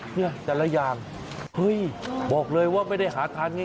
เนี่ยแต่ละอย่างเฮ้ยบอกเลยว่าไม่ได้หาทานง่าย